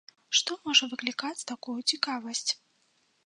Што можа выклікаць такую цікавасць?